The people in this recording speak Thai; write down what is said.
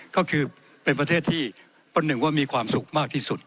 ก็คือเป็นประเทศที่ประหนึ่งว่ามีความสุขมากที่สุด